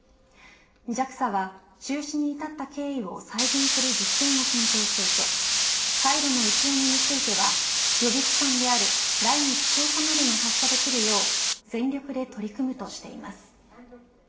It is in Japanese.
ＪＡＸＡは、中止に至った経緯を再現する実験を検討していて再度の打ち上げについては予備期間である来月１０日までに発射できるよう全力で取り組むとしています。